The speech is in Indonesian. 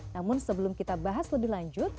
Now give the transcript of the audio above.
namun sebelum kita bahas lebih lanjut